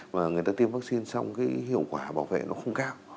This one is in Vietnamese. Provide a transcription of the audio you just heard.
và người ta tiêm vaccine xong cái hiệu quả bảo vệ nó không cao